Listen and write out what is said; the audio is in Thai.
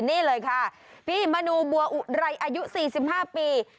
นี่เลยค่ะพี่มนูบัวอุไรอายุ๔๕ปี